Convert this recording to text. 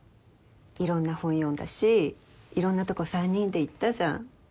いろんな本読んだしいろんなとこ３人で行ったじゃん。